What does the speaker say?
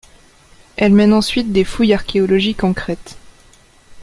Elle mène ensuite des fouilles archéologiques en Crète.